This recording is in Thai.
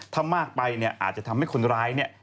ถ้ามากไปเนี่ยอาจจะทำให้คนร้ายเนี่ย